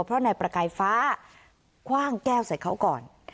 เพราะนายประกายฟ้าคว่างแก้วใส่เขาก่อน